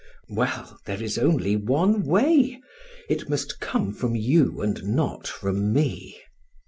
"Well! There is only one way. It must come from you and not from me.